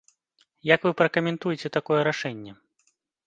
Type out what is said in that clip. Як вы пракаментуеце такое рашэнне?